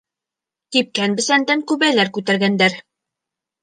Кипкән бесәндән күбәләр күтәргәндәр.